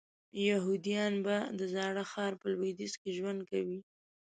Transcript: یهودیان بیا د زاړه ښار په لویدیځ کې ژوند کوي.